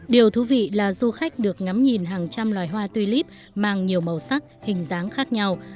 điều thú vị là du khách được ngắm nhìn hàng trăm loài hoa tuy líp mang nhiều màu sắc hình dáng khác nhau